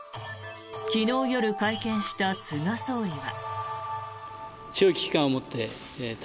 昨日夜、会見した菅総理は。